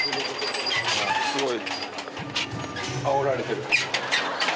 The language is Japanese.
すごい。